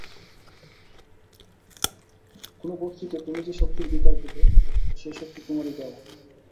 কোন বস্তুতে তুমি যে শক্তির বিকাশ দেখ, সে শক্তি তোমারই দেওয়া।